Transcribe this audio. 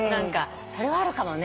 それはあるかもね。